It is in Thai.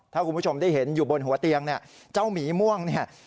ถ้าคุณผู้ชมได้เห็นอยู่บนหัวเตียงเนี่ยเจ้าหมีม่วงเนี่ย